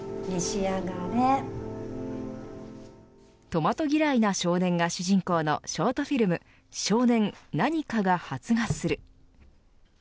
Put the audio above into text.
トマト嫌いな少年が主人公のショートフィルム少年、なにかが発芽する。